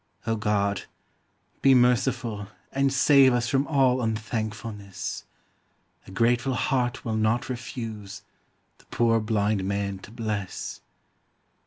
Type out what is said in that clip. . Oh, God, be merciful and save Us from all un thank fulness ! A grateful heart will not refuse The poor blind man to bless.